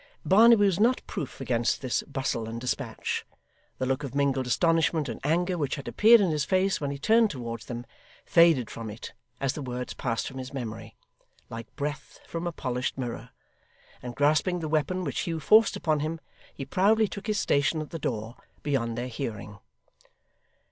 Barnaby was not proof against this bustle and despatch. The look of mingled astonishment and anger which had appeared in his face when he turned towards them, faded from it as the words passed from his memory, like breath from a polished mirror; and grasping the weapon which Hugh forced upon him, he proudly took his station at the door, beyond their hearing.